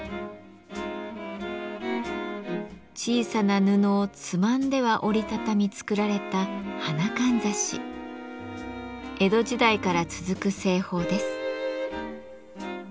小さな布をつまんでは折り畳み作られた江戸時代から続く製法です。